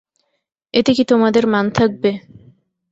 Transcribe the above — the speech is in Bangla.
এতে কি তোমাদের মান থাকবে?